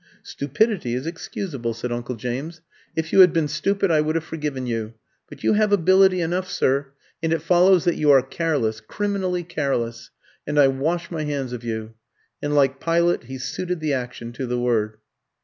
"Stupidity is excusable," said Uncle James. "If you had been stupid, I would have forgiven you; but you have ability enough, sir, and it follows that you are careless criminally careless and I wash my hands of you." And, like Pilate, he suited the action to the word.